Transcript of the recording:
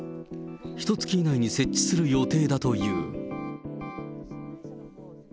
ひとつき以内に設置する予定だという。